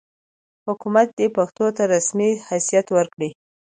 حکومت دې پښتو ته رسمي حیثیت ورکړي.